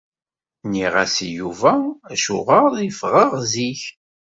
Nniɣ-as i Yuba acuɣer i ffɣeɣ zik.